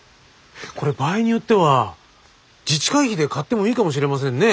これ場合によっては自治会費で買ってもいいかもしれませんね。